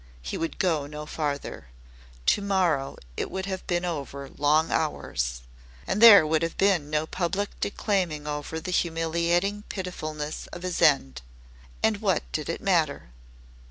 He would go no farther. To morrow it would have been over long hours. And there would have been no public declaiming over the humiliating pitifulness of his end. And what did it matter?